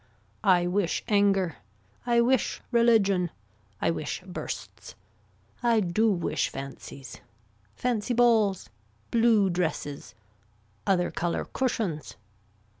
I wish anger. I wish religion. I wish bursts. I do wish fancies. Fancy balls. Blue dresses. Other color cushions.